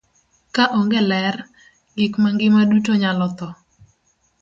Ka onge ler, gik mangima duto nyalo tho.